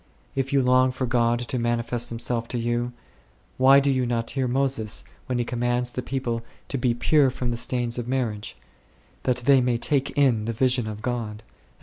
If you long for God to manifest Himself to you, why do you not hear Moses, when he commands the people to be pure from the stains of marriage, that they may take in the vision of God 4 ?